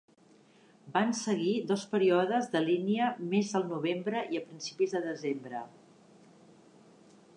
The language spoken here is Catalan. Van seguir dos períodes de línia més al novembre i a principis de desembre.